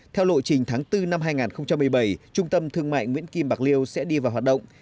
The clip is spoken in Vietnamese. theo lộ trình tháng bốn năm hai nghìn một mươi bảy trung tâm thương mại nguyễn kim bạc liêu sẽ đi vào hoạt động